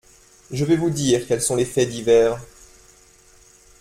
Je vais vous dire quels sont les faits divers.